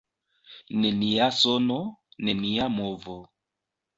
Nenia sono, nenia movo.